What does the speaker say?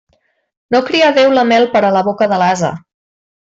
No crià Déu la mel per a la boca de l'ase.